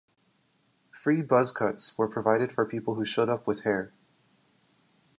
Free buzz cuts were provided for people who showed up with hair.